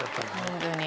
ホントに。